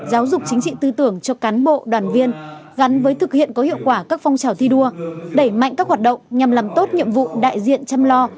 giáo dục chính trị tư tưởng cho cán bộ đoàn viên gắn với thực hiện có hiệu quả các phong trào thi đua đẩy mạnh các hoạt động nhằm làm tốt nhiệm vụ đại diện chăm lo